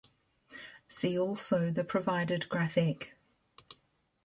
See also the provided graphic.